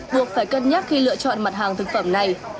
buộc phải cân nhắc khi lựa chọn mặt hàng thực phẩm này